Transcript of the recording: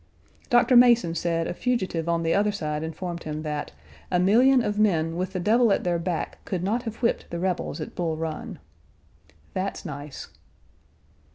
Doctor Mason said a fugitive on the other side informed him that "a million of men with the devil at their back could not have whipped the rebels at Bull Run." That's nice.